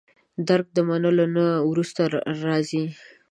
درک د منلو نه وروسته راځي.